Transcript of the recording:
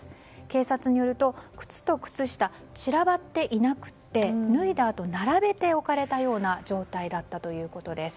警察によると、靴と靴下散らばっていなくて脱いだあと並べて置かれたような状態だったということです。